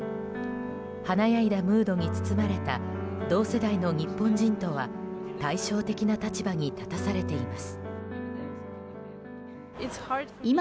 華やいだムードに包まれた同世代の日本人とは対照的な立場に立たされています。